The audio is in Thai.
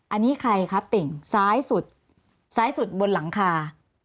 อันนี้ใครครับติ่งซ้ายสุดซ้ายสุดบนหลังคา